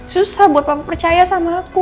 susah buat kamu percaya sama aku